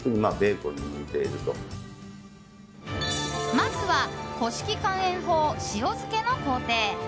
まずは古式乾塩法塩漬けの工程。